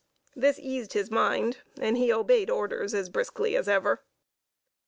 This eased his mind, and he obeyed orders briskly as ever.